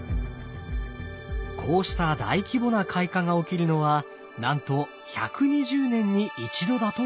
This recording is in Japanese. こうした大規模な開花が起きるのはなんと１２０年に一度だといいます。